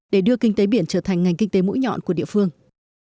để đưa kinh tế biển trở thành ngành kinh tế mũi nhọn của địa phương